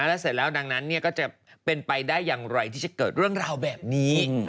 แล้วเสร็จแล้วดังนั้นก็จะเป็นไปได้อย่างไรที่จะเกิดเรื่องราวแบบนี้